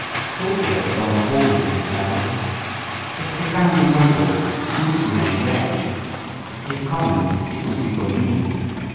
Culture is on the horns of this dilemma: if profound and noble it must remain rare, if common it must become mean.